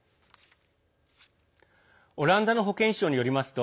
オランダの保健省によりますと